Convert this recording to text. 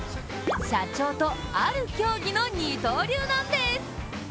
社長と、ある競技の二刀流なんです。